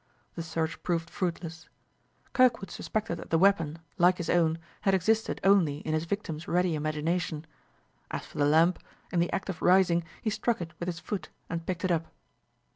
The search proved fruitless. Kirkwood suspected that the weapon, like his own, had existed only in his victim's ready imagination. As for the lamp, in the act of rising he struck it with his foot, and picked it up.